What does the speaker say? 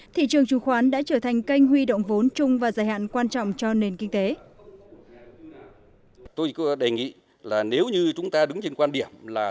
thị trường chứng khoán đã trở thành kênh huy động vốn chung và dài hạn quan trọng cho nền kinh tế